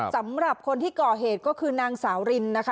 สำหรับคนที่ก่อเหตุก็คือนางสาวรินนะคะ